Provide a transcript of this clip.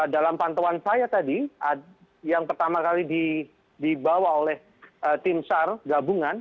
dalam pantauan saya tadi yang pertama kali dibawa oleh tim sar gabungan